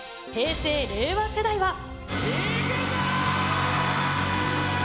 平成、令和世代は。